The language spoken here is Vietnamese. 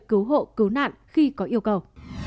cứu hộ cứu nạn khi có yêu cầu